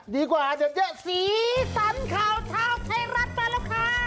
ดีกว่าเด็ดเยอะสีสันข่าวเช้าเทรัฐไปแล้วครับ